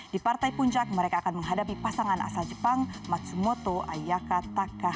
di partai puncak mereka akan menghadapi pasangan asal jepang matsumoto ayaka taka